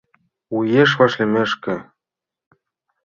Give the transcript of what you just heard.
Уэш вашлиймешкЫ!